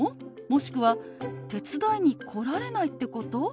もしくは「手伝いに来られないってこと？」と